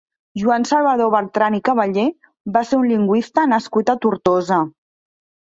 Joan Salvador Beltran i Cavaller va ser un lingüista nascut a Tortosa.